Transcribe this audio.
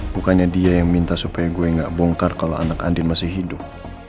bukannya dia yang minta supaya gue gak bongkar kalau anak andin masih hidup